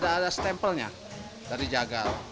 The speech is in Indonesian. sudah ada stempelnya dari jagal